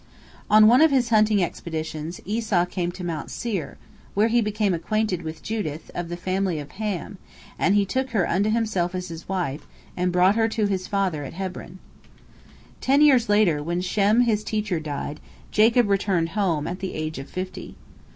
On one of his hunting expeditions, Esau came to Mount Seir, where he became acquainted with Judith, of the family of Ham, and he took her unto himself as his wife, and brought her to his father at Hebron. Ten years later, when Shem his teacher died, Jacob returned home, at the age of fifty.